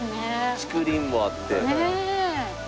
竹林もあって。